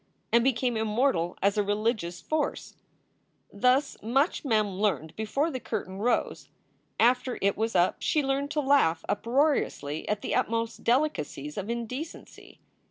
and became immortal as a religious force. Thus much Mem learned before the curtain rose. After it was up she learned to laugh uproariously at the utmost delicacies of indecency.